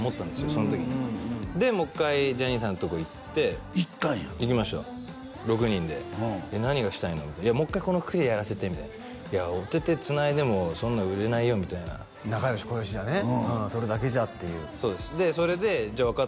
その時にでもう一回ジャニーさんのとこ行って行ったんや行きました６人で「何がしたいの？」「もう一回この６人でやらせて」「いやお手々つないでもそんな売れないよ」みたいな仲良しこよしじゃねうんそれだけじゃっていうそうですでそれで「じゃあ分かった」